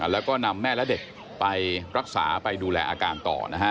แล้วก็นำแม่และเด็กไปรักษาไปดูแลอาการต่อนะฮะ